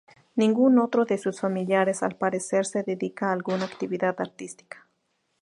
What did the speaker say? Ningún otro de sus familiares al parecer se dedica a alguna actividad artística.